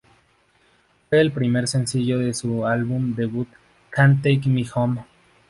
Fue el primer sencillo de su álbum debut "Can't Take Me Home".